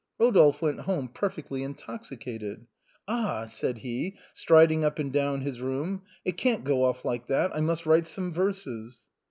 Rodolphe went home perfectly intoxicated. " Ah !" said he, striding up and down his room, " it can't go off like that, I must write some verses."